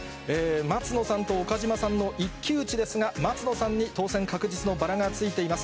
松野さんと岡島さんの一騎打ちですが、松野さんに当選確実のバラがついています。